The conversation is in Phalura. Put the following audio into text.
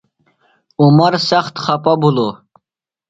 عمر سخت خپہ بھِلوۡ۔